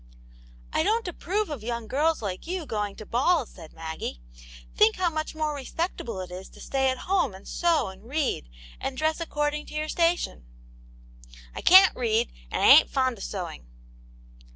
" I don't approve of young girls like you going to balls," said Maggie. "Think how much more re spectable it is to stay at home and sew and read, and dress according to your station." V I can't read, and I ain't fond of sewing."